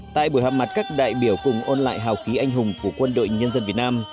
tại buổi họp mặt các đại biểu cùng ôn lại hào khí anh hùng của quân đội nhân dân việt nam